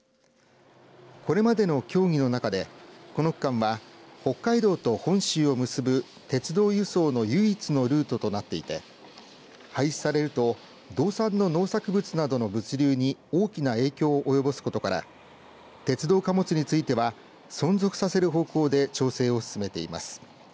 これまでの協議の中でこの区間は北海道と本州を結ぶ鉄道輸送の唯一のルートとなっていて廃止されると道産の農作物などの物流に大きな影響を及ぼすことから鉄道貨物については存続させる方向で調整を進めています。